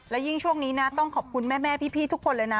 และยิ่งช่วงนี้นะต้องขอบคุณแม่พี่ทุกคนเลยนะ